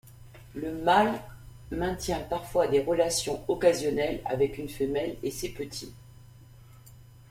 Le mâle maintient parfois des relations occasionnelles avec une femelle et ses petits.